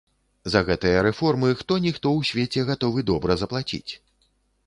За гэтыя рэформы хто-ніхто ў свеце гатовы добра заплаціць.